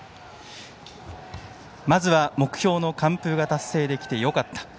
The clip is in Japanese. まずは目標の完封が達成できてよかった。